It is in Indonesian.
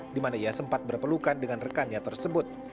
dimana ia sempat berpelukan dengan rekannya tersebut